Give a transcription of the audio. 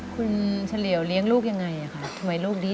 คุณเฉลี่ยวเลี้ยงลูกยังไงคะทำไมลูกนี้